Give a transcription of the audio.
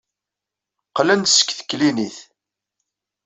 Qqlen-d seg teklinit.